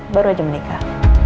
baru aja menikah